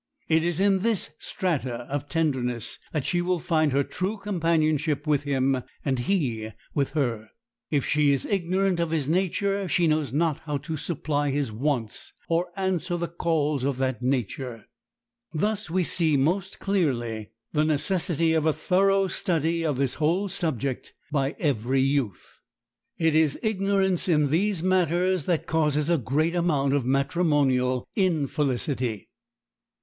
It is in this strata of tenderness that she finds her true companionship with him, and he with her. If she is ignorant of his nature she knows not how to supply his wants or answer the calls of that nature. Thus we see most clearly the necessity of a thorough study of this whole subject by every youth. It is ignorance in these matters that causes a great amount of matrimonial infelicity.